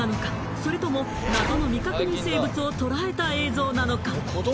それとも謎の未確認生物を捉えた映像なのか？